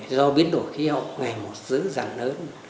do biến đổi khí hậu ngày một giữ dàng lớn